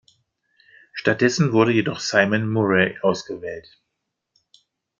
Stattdessen wurde jedoch Simon Murray ausgewählt.